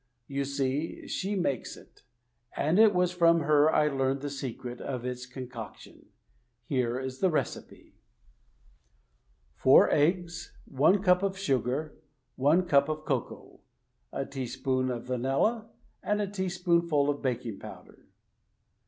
You see, she makes it. And it was from her I learned the secret of its concoction. Here is the recipe: Four eggs, one cup of sugar, one cup of cocoa, a tea spoonful of vanilla, and a teaspoonful of baking powder.